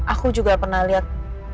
aku juga pernah liat